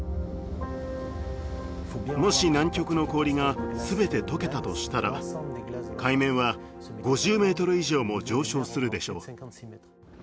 もし南極の氷が全て解けたとしたら海面は５０メートル以上も上昇するでしょう。